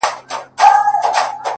• سوال کوم کله دي ژړلي گراني ؛